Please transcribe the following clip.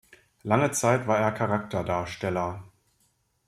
Lange Zeit war er Charakterdarsteller.